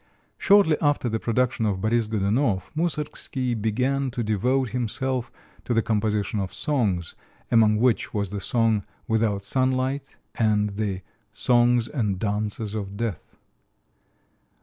Shortly after the production of "Boris Godounov," Moussorgsky began to devote himself to the composition of songs, among which was the song, "Without Sunlight," and the "Songs and Dances of Death."